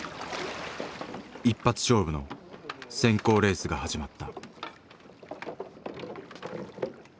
一発勝負の選考レースが始まった。